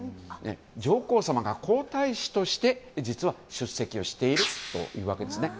上皇さまが皇太子として実は出席をしているというわけですね。